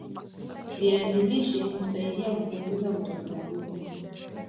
viazi lishe husaidia kupunguza utapiamlo